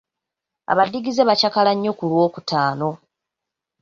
Abaddigize bakyakala nnyo ku lwokutaano.